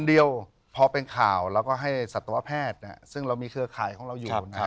เดียวพอเป็นข่าวเราก็ให้สัตวแพทย์ซึ่งเรามีเครือข่ายของเราอยู่นะครับ